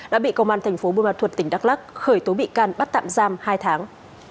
đã bị công an thành phố bùa ma thuật tỉnh đắk lắc khởi tố bị can bắt tạm giam hai tháng